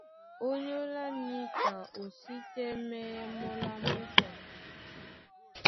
Ónyólá níka o sí tɛ́mɛ́yɛ́ mɔ́ lá mbúsa.